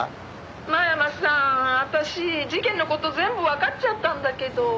「真山さん私事件の事全部わかっちゃったんだけど」